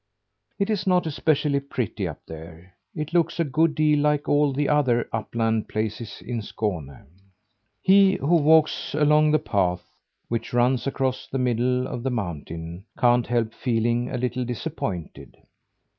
It is not especially pretty up there. It looks a good deal like all the other upland places in Skåne. He who walks along the path which runs across the middle of the mountain, can't help feeling a little disappointed.